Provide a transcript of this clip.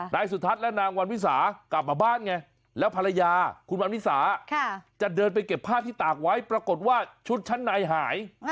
นายสุทัศน์และนางวันวิสากลับมาบ้านไงแล้วภรรยาคุณวันวิสาจะเดินไปเก็บผ้าที่ตากไว้ปรากฏว่าชุดชั้นในหาย